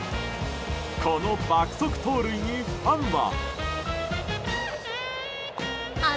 この爆速盗塁に、ファンは。